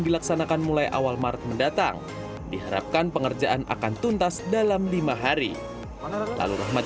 dilaksanakan mulai awal maret mendatang diharapkan pengerjaan akan tuntas dalam lima hari lalu rahmat